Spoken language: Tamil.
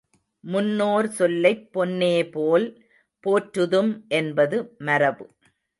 முன்னோர் சொல்லைப் பொன்னே போல் போற்றுதும் என்பது மரபு.